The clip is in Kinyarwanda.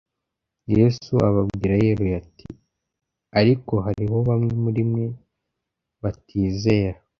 Yesu ababwira yeruye ati: «ariko hariho bamwe muri mwe batizera.»